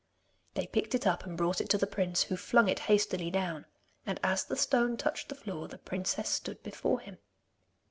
They picked it up and brought it to the prince, who flung it hastily down, and as the stone touched the floor the princess stood before him.